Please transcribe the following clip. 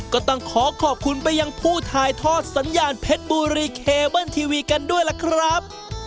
ก็ต้องขอขอบคุณไปยังผู้ถ่ายทอดสัญญาณเพชรบุรีเคเบิ้ลทีวีกันด้วยล่ะครับ